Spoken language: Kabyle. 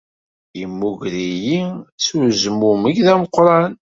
Temmuger-iyi s wezmumeg d ameqran.